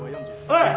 はい。